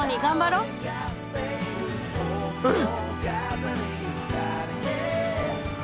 うん！